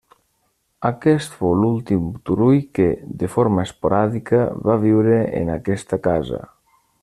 Aquest fou l'últim Turull que, de forma esporàdica, va viure en aquesta casa.